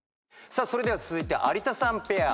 それでは続いて有田さんペア。